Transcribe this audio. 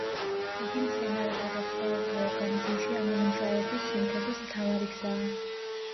იგი მცენარეთა და ცხოველთა ორგანიზმში ამინომჟავების სინთეზის მთავარი გზაა.